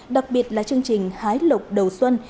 đặc biệt là chương trình hái lộc đầu xuân